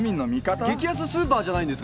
激安スーパーじゃないんですからね。